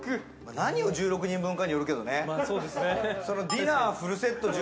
何を１６人分かにもよるけれどね。